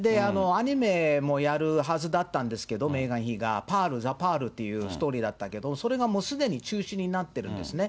アニメもやるはずだったんですけど、メーガン妃が、ザ・パールというストーリーだったけど、それがもうすでに中止になってるんですね。